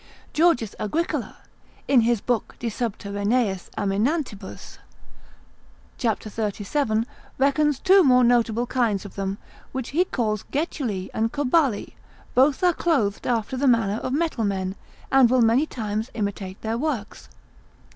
Georgius Agricola, in his book de subterraneis animantibus, cap. 37, reckons two more notable kinds of them, which he calls getuli and cobali, both are clothed after the manner of metal men, and will many times imitate their works.